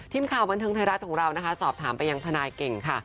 ทีมข่าวบันเทิงไทยรัฐของเรานะคะสอบถามไปยังทนายเก่งค่ะ